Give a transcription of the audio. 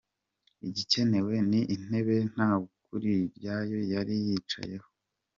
Igikenewe ni intebe Ntawukuriryayo yari yicayeho.